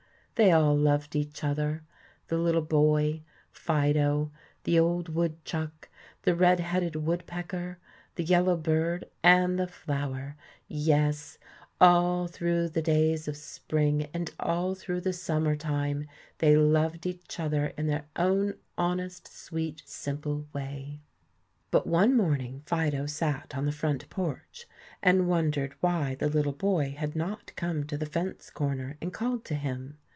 They all loved each other, the little boy, Fido, the old woodchuck, the redheaded woodpecker, the yellow bird, and the flower, yes, all through the days of spring and all through the summer time they loved each other in their own honest, sweet, simple way. But one morning Fido sat on the front porch and wondered why the little boy had not come to the fence corner and called to him.